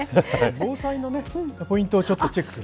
防災のポイントをちょっとチェックする。